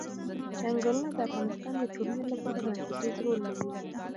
چنګلونه د افغانستان د ټولنې لپاره بنسټيز رول لري.